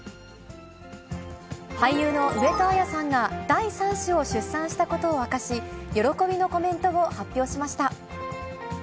俳優の上戸彩さんが、第３子を出産したことを明かし、喜びのコメントを発表しました。